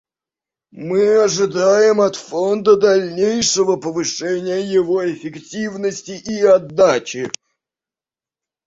Мы ожидаем от Фонда дальнейшего повышения его эффективности и отдачи.